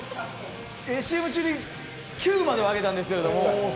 ＣＭ中に９までは上げたんですけど。